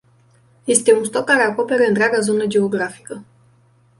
Este un stoc care acoperă întreaga zonă geografică.